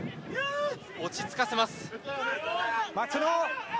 落ち着かせます。